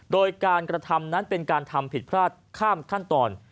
โดยการกระทำนั้นเป็นการทำผิดพลาดข้ามขั้นตอน